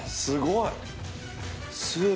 すごい！